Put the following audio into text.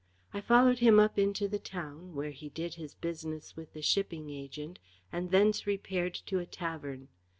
I followed him up into the town, where he did his business with the shipping agent and thence repaired to a tavern.